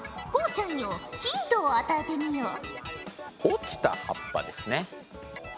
こうちゃんよヒントを与えてみよ。